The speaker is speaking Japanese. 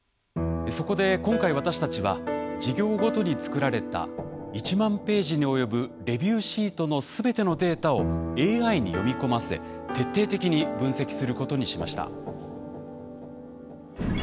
そこで今回私たちは事業ごとに作られた１万ページに及ぶレビューシートの全てのデータをＡＩに読み込ませ徹底的に分析することにしました。